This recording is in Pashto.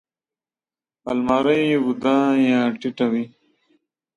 الماري اوږده یا ټیټه وي